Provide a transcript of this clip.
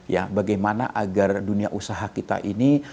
ya bagaimana agar dunia usaha kita ini